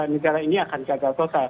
negara ini akan gagal total